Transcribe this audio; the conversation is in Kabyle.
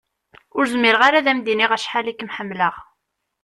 Ur zmireɣ ara ad am-d-iniɣ acḥal i kem-ḥemmleɣ.